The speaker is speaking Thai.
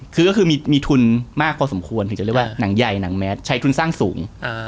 คือก็คือมีทุนมากพอสมควรถึงจะเรียกว่าหนังใหญ่หนังแมสใช้ทุนสร้างสูง